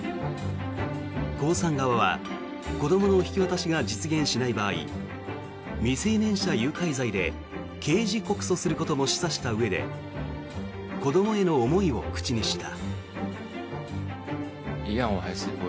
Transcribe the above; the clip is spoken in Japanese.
コウさん側は子どもの引き渡しが実現しない場合未成年者誘拐罪で刑事告訴することも示唆したうえで子どもへの思いを口にした。